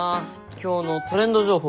今日のトレンド情報。